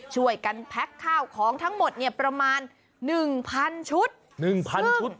ช่วยกันแพ็คข้าวของทั้งหมดเนี่ยประมาณหนึ่งพันชุดหนึ่งพันชุด